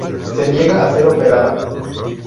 Se niega a ser operada.